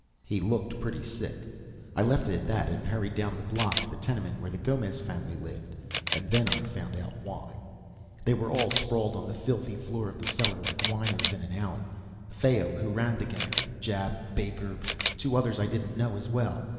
He looked pretty sick. I left it at that and hurried down the block to the tenement where the Gomez family lived, and then I found out why. They were sprawled on the filthy floor of the cellar like winoes in an alley. Fayo, who ran the gang; Jap; Baker; two others I didn't know as well.